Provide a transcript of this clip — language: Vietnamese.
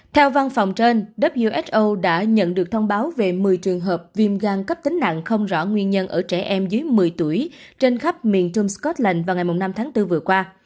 theo văn phòng trên wso đã nhận được thông báo về một mươi trường hợp viêm gan cấp tính nặng không rõ nguyên nhân ở trẻ em dưới một mươi tuổi trên khắp miền trung scotland vào ngày năm tháng bốn vừa qua